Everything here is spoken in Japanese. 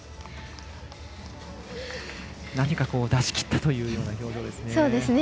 何か出しきったというような表情ですね。